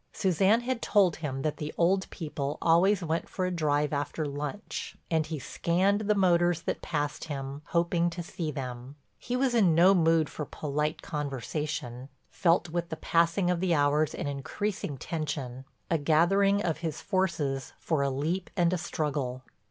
Suzanne had told him that the old people always went for a drive after lunch and he scanned the motors that passed him, hoping to see them. He was in no mood for polite conversation—felt with the passing of the hours an increasing tension, a gathering of his forces for a leap and a struggle.